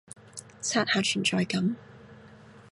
刷下存在感